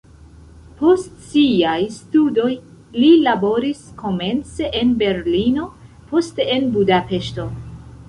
Post siaj studoj li laboris komence en Berlino, poste en Budapeŝto.